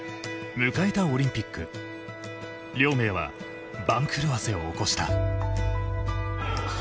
迎えたオリンピック亮明は番狂わせを起こした。